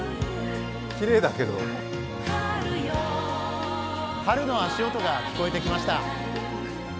きれいだけど春の足音が聞こえてきました。